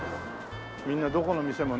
みんなどこの店もね。